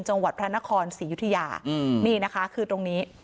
จังหวัดพระนครศรียุธยานี่นะคะคือตรงนี้